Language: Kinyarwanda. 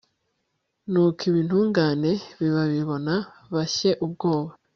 nuko ab'intungane nibabibona, bashye ubwoba